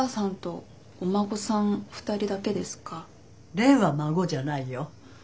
蓮は孫じゃないよ。